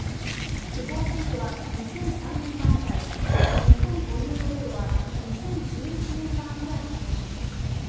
不法占拠は２００３年版以来日本固有の領土は２０１１年版以来の表現です。